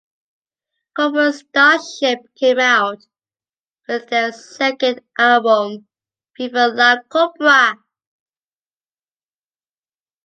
Cobra Starship came out with their second album, “¡Viva la Cobra!”.